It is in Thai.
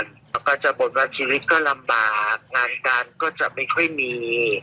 แล้วก็จะบ่นว่าชีวิตก็ลำบากงานการก็จะไม่ค่อยมี